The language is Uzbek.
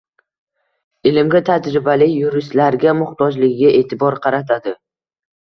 ilmga, tajribali yuristlarga muxtojligiga e`tibor qaratadi.